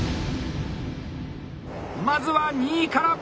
まずは２位から。